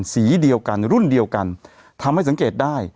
สีเดียวกันรุ่นเดียวกันทำให้สังเกตได้